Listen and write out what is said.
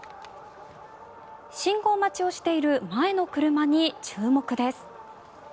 信号待ちをしている前の車に注目です。